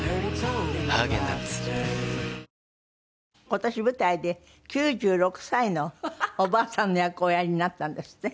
今年舞台で９６歳のおばあさんの役をおやりになったんですって？